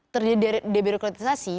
terdiri dari birokratisasi